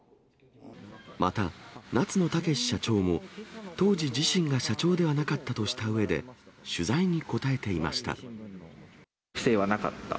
また、夏野剛社長も、当時、自身が社長ではなかったとしたうえで、不正はなかった？